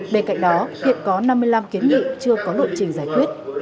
bên cạnh đó hiện có năm mươi năm kiến nghị chưa có lộ trình giải quyết